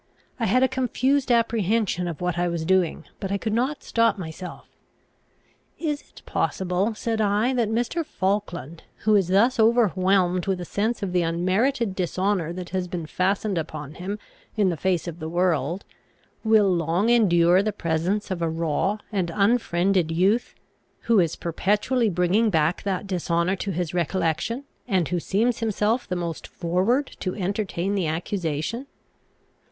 I had a confused apprehension of what I was doing, but I could not stop myself. "Is it possible," said I, "that Mr. Falkland, who is thus overwhelmed with a sense of the unmerited dishonour that has been fastened upon him in the face of the world, will long endure the presence of a raw and unfriended youth, who is perpetually bringing back that dishonour to his recollection, and who seems himself the most forward to entertain the accusation?"